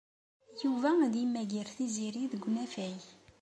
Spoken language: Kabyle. Yuba ad yemmager Tiziri deg unafag.